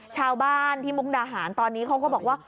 ชาวบ้านที่มุกดาหารตอนนี้เขาก็บอกว่า